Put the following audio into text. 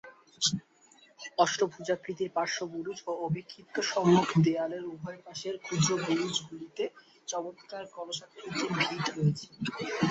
অষ্টভুজাকৃতির পার্শ্ববুরুজ ও অভিক্ষিপ্ত সম্মুখ দেয়ালের উভয়পাশের ক্ষুদ্রবুরুজগুলিতে চমৎকার কলসাকৃতির ভিত রয়েছে।